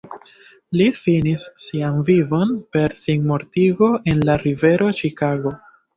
Li finis sian vivon per sinmortigo en la Rivero Ĉikago.